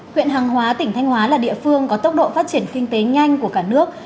huyện hàng hóa tỉnh thanh hóa là địa phương có tốc độ phát triển kinh tế nhanh của cả nước